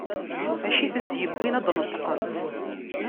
D acu i tent-yewwin ad d-neṭqent?